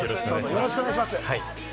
よろしくお願いします。